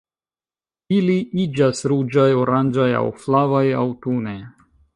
Ili iĝas ruĝaj, oranĝaj aŭ flavaj aŭtune.